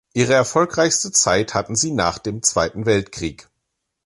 Ihre erfolgreichste Zeit hatte sie nach dem Zweiten Weltkrieg.